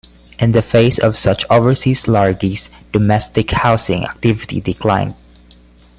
In the face of such overseas largesse, domestic housing activity declined.